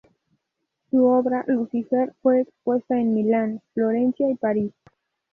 Su obra "Lucifer" fue expuesta en Milán, Florencia y París.